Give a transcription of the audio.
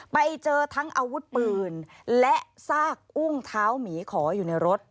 ไปเจอทั้งอาวุธปืนและซากอุ้งเท้าหมีขออยู่ในรถ